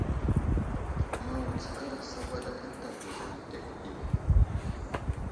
Maŋ wutskar asawaday ənta bəza wəɗek ɗi.